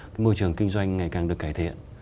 cái môi trường kinh doanh ngày càng được cải thiện